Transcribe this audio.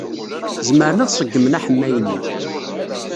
Zemren ad ṣeggmen aḥemmay-nni.